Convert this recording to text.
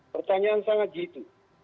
pertanyaan sangat jitu